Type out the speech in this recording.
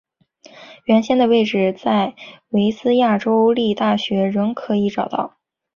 原先的位置在维兹亚州立大学仍然可以找到。